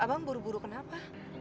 abang buru buru kenapa